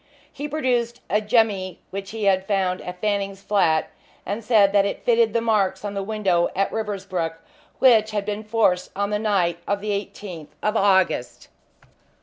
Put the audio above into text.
He produced a jemmy which he had found at Fanning's flat, and said that it fitted the marks on the window at Riversbrook which had been forced on the night of the 18th of August.